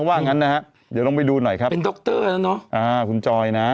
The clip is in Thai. ว่างั้นนะฮะเดี๋ยวลองไปดูหน่อยครับเป็นดรแล้วเนอะอ่าคุณจอยนะ